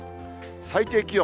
最低気温。